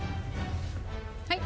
はい。